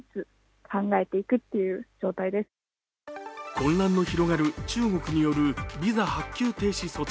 混乱の広がる、中国によるビザ発給停止措置。